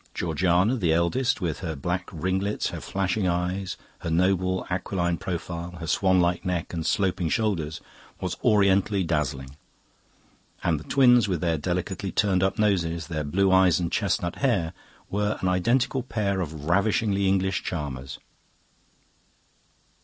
Georgiana, the eldest, with her black ringlets, her flashing eyes, her noble aquiline profile, her swan like neck, and sloping shoulders, was orientally dazzling; and the twins, with their delicately turned up noses, their blue eyes, and chestnut hair, were an identical pair of ravishingly English charmers.